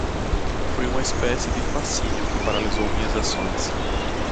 Foi uma espécie de fascínio que paralisou minhas ações.